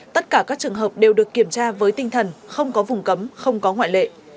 tất cả các trường hợp đều được kiểm tra với tinh thần không có vùng cấm không có ngoại lệ